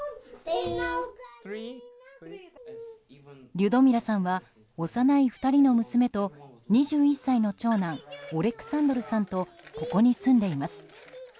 リュドミラさんは幼い２人の娘と２１歳の長男オレクサンドルさんとここに住んでいます。